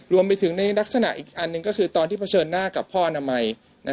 รวมไปถึงในลักษณะอีกอันหนึ่งก็คือตอนที่เผชิญหน้ากับพ่ออนามัย